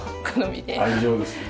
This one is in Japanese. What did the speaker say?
愛情ですね。